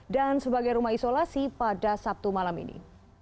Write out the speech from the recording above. dan sebagai rumah isolasi pada sabtu malam ini